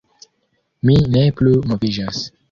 Mi ne plu moviĝas.